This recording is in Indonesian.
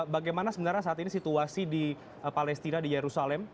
bagaimana sebenarnya saat ini situasi di palestina di yerusalem